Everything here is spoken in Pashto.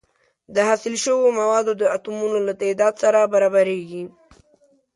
د حاصل شوو موادو د اتومونو له تعداد سره برابریږي.